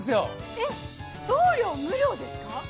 えっ送料無料ですか？